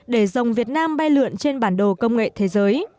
để dòng việt nam bay lượn trên bản đồ công nghệ thế giới